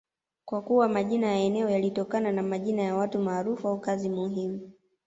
kwa kuwa majina ya eneo yalitokana na majina ya watu maarufu au kazi muhimu